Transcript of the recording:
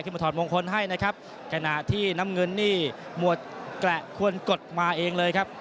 มาถอดมงคลให้นะครับขณะที่น้ำเงินนี่หมวดแกละควรกดมาเองเลยครับ